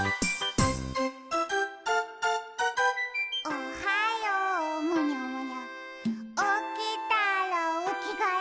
「おはようむにゃむにゃおきたらおきがえ」